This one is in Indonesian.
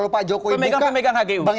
pemerintah yang memegang hgu